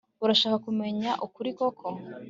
Urashaka kumenya ukuri koko